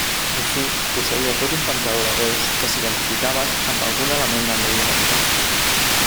Així, posseïa tot un panteó de déus que s'identificaven amb algun element del medi natural.